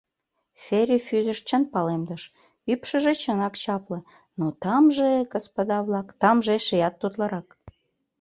Фери Фӱзеш чын палемдыш: ӱпшыжӧ чынак чапле, но тамже, господа-влак, тамже эшеат тутлырак.